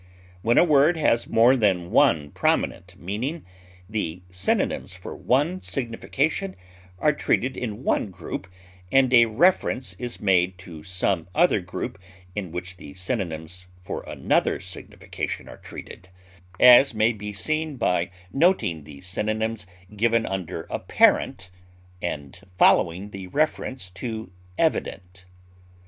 When a word has more than one prominent meaning, the synonyms for one signification are treated in one group and a reference is made to some other group in which the synonyms for another signification are treated, as may be seen by noting the synonyms given under APPARENT, and following the reference to EVIDENT.